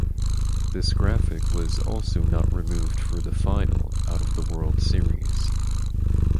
This graphic was also not removed for the final out of the World Series.